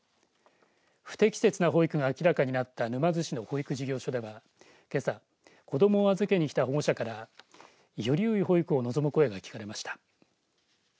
不適切な保育が明らかになった沼津市の保育事業所ではけさ、子どもを預けに来た保護者からよりよい保育を望む声が聞かれました。